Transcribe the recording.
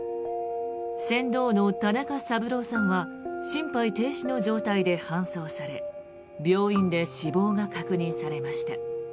船頭の田中三郎さんは心肺停止の状態で搬送され病院で死亡が確認されました。